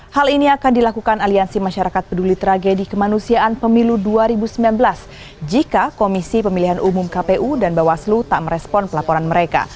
hal ini akan dilakukan aliansi masyarakat peduli tragedi kemanusiaan pemilu dua ribu sembilan belas jika komisi pemilihan umum kpu dan bawaslu tak merespon pelaporan mereka